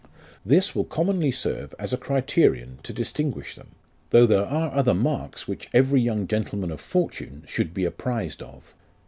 This will commonly serve as a criterion to distinguish them, though there are other marks which every young gentleman of fortune should be apprised of.